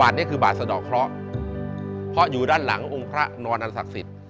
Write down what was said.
บาทนี้คือบาทสะดอกเคราะห์เพราะอยู่ด้านหลังองค์พระนอนอันศักดิ์สิทธิ์